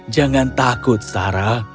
jangan takut sarah